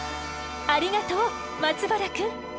ありがとう松原くん！